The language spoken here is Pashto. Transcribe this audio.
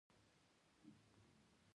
بیا زه په زړورتیا سره لاندې ورغلم.